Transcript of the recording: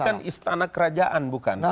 itu bukan istana kerajaan